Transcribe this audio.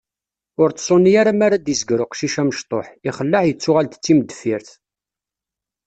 Ur tṣuni ara mi ara d-izger uqcic amecṭuḥ, ixelleɛ yettuɣal-d d timdeffirt.